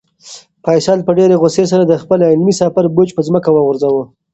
فیصل په ډېرې غوسې سره د خپل علمي سفر بوج په ځمکه وغورځاوه.